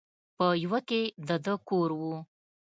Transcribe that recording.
په يوه کښې د ده کور و.